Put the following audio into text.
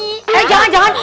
eh jangan jangan